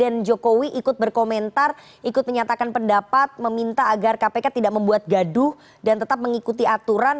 presiden jokowi ikut berkomentar ikut menyatakan pendapat meminta agar kpk tidak membuat gaduh dan tetap mengikuti aturan